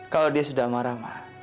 kalau dia sudah marah marah